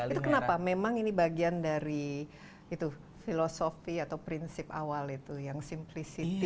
itu kenapa memang ini bagian dari itu filosofi atau prinsip awal itu yang simply city